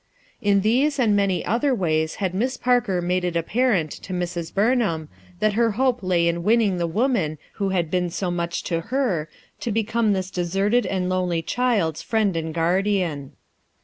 In these and many other ways had Miss Parker made it apparent to Mrs. Rumham that her hope lay in winning the woman who had been so much to her, to become this deserted and lonely child's friend and guardian.